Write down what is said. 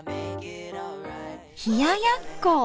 冷ややっこ！